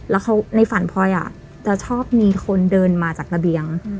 แล้วในฝันพลอยจะชอบมีคนเดินมาจากระเบียง